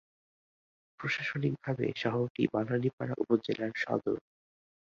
প্রশাসনিকভাবে শহরটি বানারীপাড়া উপজেলার সদর।